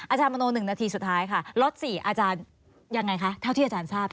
อาจารย์มโน๑นาทีสุดท้ายค่ะล็อต๔อาจารย์ยังไงคะเท่าที่อาจารย์ทราบ